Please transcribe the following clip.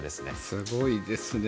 すごいですね。